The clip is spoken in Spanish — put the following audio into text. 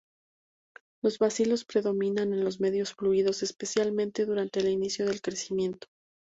Los bacilos predominan en los medios fluidos, especialmente durante el inicio del crecimiento.